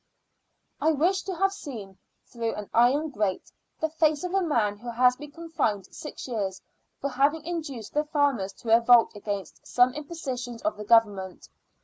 I wished to have seen, through an iron grate, the face of a man who has been confined six years for having induced the farmers to revolt against some impositions of the Government.